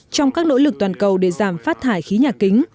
trong các nỗ lực toàn cầu để giảm phát thải khí nhà kính